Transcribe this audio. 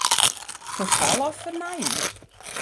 Ferfal of fernijing?